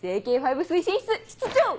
ＪＫ５推進室室長！